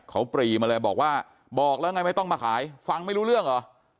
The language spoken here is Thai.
เขาปรีมาเลยบอกว่าบอกแล้วไงไม่ต้องมาขายฟังไม่รู้เรื่องเหรอ